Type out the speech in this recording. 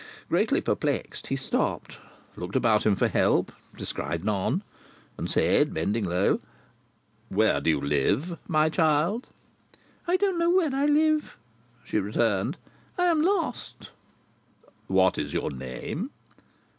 Greatly perplexed, he stopped, looked about him for help, descried none, and said, bending low: "Where do you live, my child?" "I don't know where I live," she returned. "I am lost." "What is your name?"